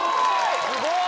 すごい！